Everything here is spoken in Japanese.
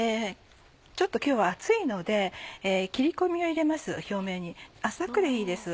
ちょっと今日は厚いので切り込みを入れます表面に浅くでいいです。